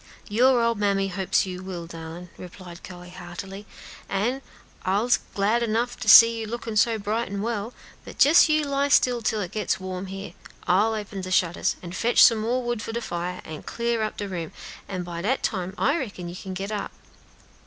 "Your ole mammy hopes you will, darlin'," replied Chloe, heartily; "an' I'se glad 'nough to see you lookin' so bright an' well; but jes you lie still till it gets warm here. I'll open de shutters, an' fotch some more wood for de fire, an' clar up de room, an' by dat time I reckon you can get up."